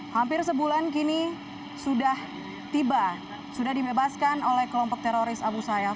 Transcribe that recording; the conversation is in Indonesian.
hampir sebulan kini sudah tiba sudah dibebaskan oleh kelompok teroris abu sayyaf